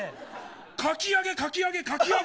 かき揚げ、かき揚げかき揚げ。